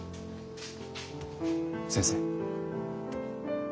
先生。